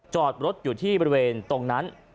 จอดรถอยู่ที่บริเวณตรงนั้น